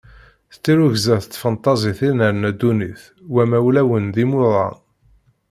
S tirrugza d tfenṭaẓit i nerna ddunit, wamma ulawen d imuḍan.